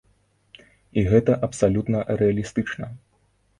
І гэта абсалютна рэалістычна.